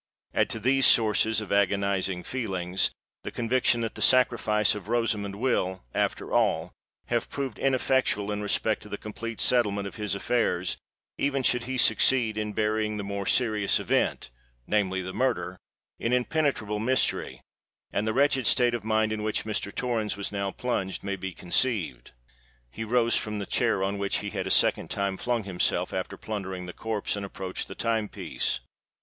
Add to these sources of agonising feelings, the conviction that the sacrifice of Rosamond will, after all, have proved ineffectual in respect to the complete settlement of his affairs, even should he succeed in burying the more serious event—namely the murder—in impenetrable mystery,—and the wretched state of mind in which Mr. Torrens was now plunged, may be conceived. He rose from the chair, on which he had a second time flung himself, after plundering the corpse, and approached the time piece.